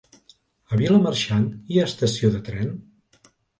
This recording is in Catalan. A Vilamarxant hi ha estació de tren?